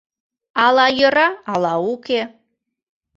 Ала йӧра, ала уке?